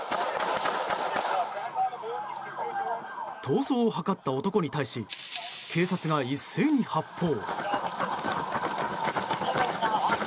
逃走を図った男に対し警察が一斉に発砲。